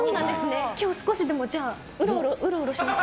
今日、少しでもウロウロします。